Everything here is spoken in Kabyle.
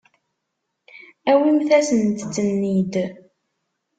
Awimt-asent-ten-id.